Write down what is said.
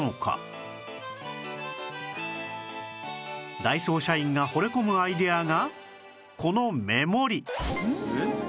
ダイソー社員が惚れ込むアイデアがこの目盛り